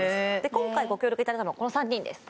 今回ご協力いただいたのがこの３人です